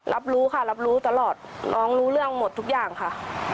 รับรู้ค่ะรับรู้ตลอดน้องรู้เรื่องหมดทุกอย่างค่ะ